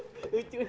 masuk nih masuk nih